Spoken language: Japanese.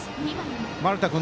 丸田君